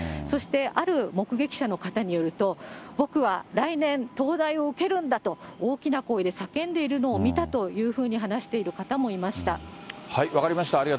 そして、ある目撃者の方によると、僕は来年、東大を受けるんだと、大きな声で叫んでいるのを見たというふうに話している方もいました。